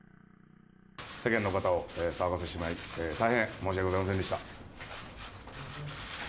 世間の方を騒がせてしまい、大変申し訳ございませんでした。